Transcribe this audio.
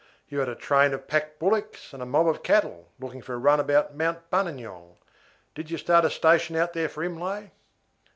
You had a train of pack bullocks and a mob of cattle, looking for a run about Mount Buninyong. Did you start a station there for Imlay?"